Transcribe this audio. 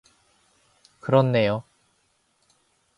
그렇네요.